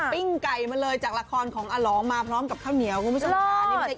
ปิ้งไก่มาเลยจากละครของอะหลองมาพร้อมกับข้าวเหนียวไม่เป็น